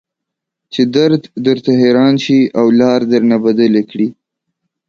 چې درد درته حيران شي او لار درنه بدله کړي.